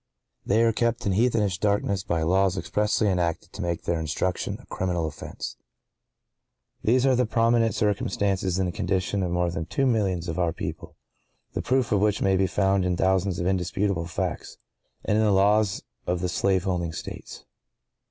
They are kept in heathenish darkness by laws expressly enacted to make their instruction a criminal offence. (¶ 8) These are the prominent circumstances in the condition of more than two millions of our people, the proof of which may be found in thousands of indisputable facts, and in the laws of the slaveholding States.